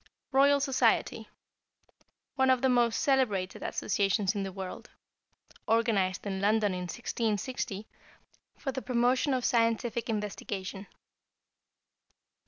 =Royal Society.= One of the most celebrated associations in the world. Organized in London in 1660 for the promotion of scientific investigation.